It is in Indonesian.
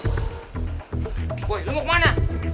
boy lu mau kemana